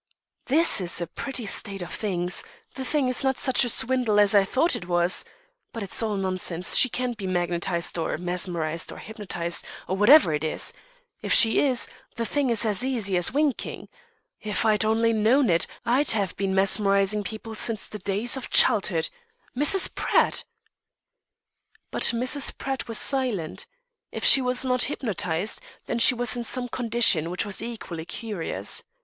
"This is a pretty state of things! The thing is not such a swindle as I thought it was. But it's all nonsense. She can't be magnetised, or mesmerised, or hypnotised, or whatever it is. If she is, the thing's as easy as winking. If I'd only known it I'd have been mesmerising people since the days of childhood. Mrs. Pratt!" But Mrs. Pratt was silent. If she was not "hypnotised," then she was in some condition which was equally curious.